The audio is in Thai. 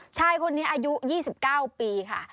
ชายคนนี้อายุ๒๙ปีค่ะ